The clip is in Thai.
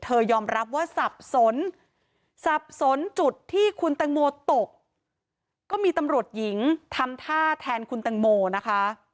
ยอมรับว่าสับสนสับสนจุดที่คุณตังโมตกก็มีตำรวจหญิงทำท่าแทนคุณแตงโมนะคะ